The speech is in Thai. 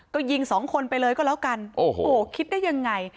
ก็ยิงสองคนไปเลยก็แล้วกันโอ้โหคิดได้ยังไง